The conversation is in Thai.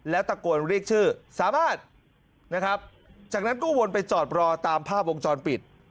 แล้วตะโกนเรียกชื่อสามารถนะครับจากนั้นก็วนไปจอดรอตามภาพวงจรปิด